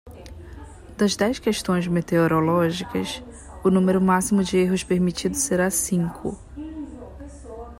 Das dez questões meteorológicas, o número máximo de erros permitido será cinco.